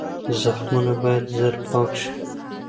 زخمونه باید زر پاک شي.